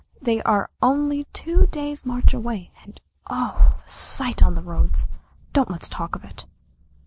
They are only two days' march away, and oh! the sight on the roads. Don't let's talk of it."